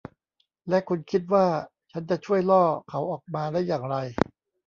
และคุณคิดว่าฉันจะช่วยล่อเขาออกมาได้อย่างไร